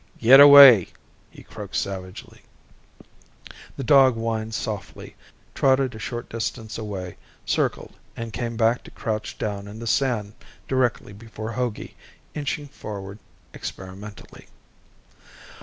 "Get away!" he croaked savagely. The dog whined softly, trotted a short distance away, circled, and came back to crouch down in the sand directly before Hogey, inching forward experimentally.